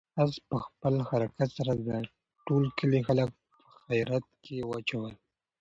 آس په خپل حرکت سره د ټول کلي خلک په حیرت کې واچول.